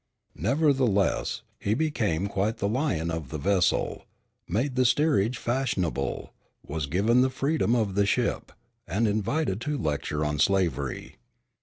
Nevertheless, he became quite the lion of the vessel, made the steerage fashionable, was given the freedom of the ship, and invited to lecture on slavery.